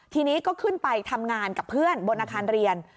ทีนี้ก็ขึ้นไปทำงานกับเพื่อนบนอาคารเรียน